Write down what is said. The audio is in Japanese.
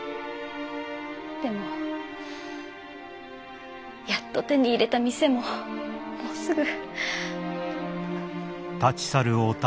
でもやっと手に入れた店ももうすぐ。